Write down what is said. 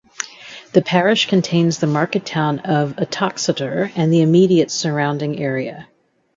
The parish contains the market town of Uttoxeter and the immediate surrounding area.